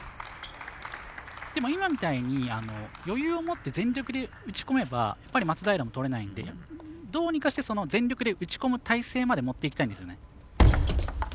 今みたいに余裕を持って全力で打ち込めば、松平もとれないのでどうにかして全力で打ち込む体勢まで持っていきたいんですよね。